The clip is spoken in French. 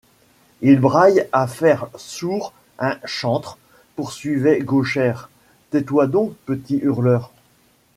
Il braille à faire sourd un chantre, poursuivait Gauchère. — Tais-toi donc, petit hurleur!